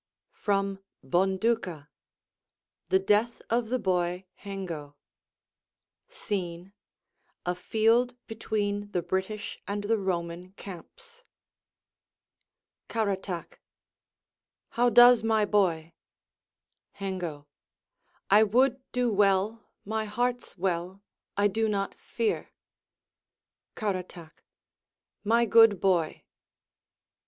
FROM 'BONDUCA' THE DEATH OF THE BOY HENGO [Scene: A field between the British and the Roman camps.] Caratach How does my boy? Hengo I would do well; my heart's well; I do not fear. Caratach My good boy!